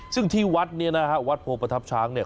ซึ่งที่วัดเนี่ยนะฮะวัดโพประทับช้างเนี่ย